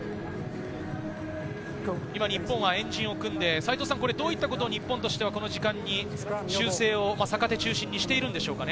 今、日本は円陣を組んで、どういったことを日本としてはの時間に修正を坂手中心にしているんでしょうか？